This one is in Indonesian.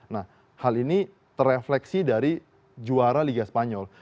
nah hal ini terefleksi dari juara liga spanyol